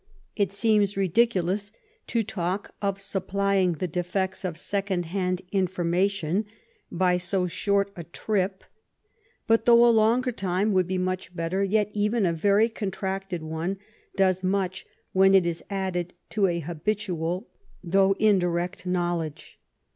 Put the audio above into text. It seems ridiculous to talk of supplying the defects of second hand information by so short a trip ; but H 97 98 THE STORY OF GLADSTONE'S LIFE though a longer time would be much better, yet even a very contracted one does much when it is added to an habitual though indirect knowledge."